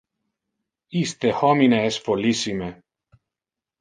Iste homine es follissime!